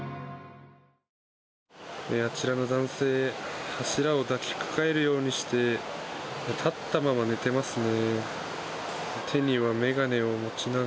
あちらの男性柱を抱きかかえるようにして立ったまま寝てますね。